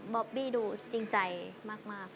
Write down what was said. อบบี้ดูจริงใจมาก